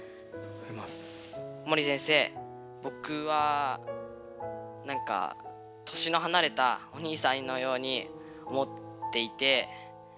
小森先生ぼくはなんか年のはなれたお兄さんのように思っていて。